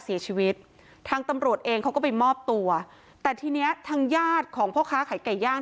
เสียชีวิตทางตำรวจเองเขาก็ไปมอบตัวแต่ทีเนี้ยทางญาติของพ่อค้าขายไก่ย่าง